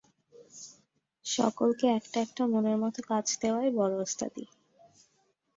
সকলকে একটা একটা মনের মত কাজ দেওয়াই বড় ওস্তাদি।